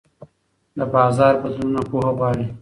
د بازار بدلونونه پوهه غواړي.